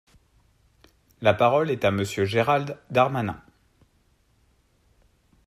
La parole est à Monsieur Gérald Darmanin.